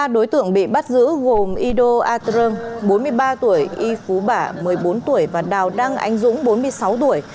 ba đối tượng bị bắt giữ gồm ido atrơng bốn mươi ba tuổi y phú bả một mươi bốn tuổi và đào đăng anh dũng bốn mươi sáu tuổi